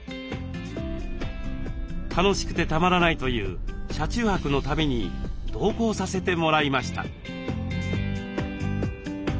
楽しくてたまらないという車中泊の旅に同行させてもらいました。